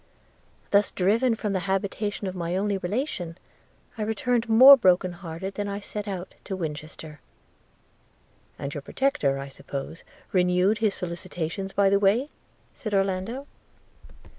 'Thus driven from the habitation of my only relation, I returned more broken hearted than I set out to Winchester.' 'And your protector, I suppose, renewed his solicitations by the way?' said Orlando.